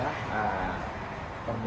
yang terjadi di kedai kedai sambu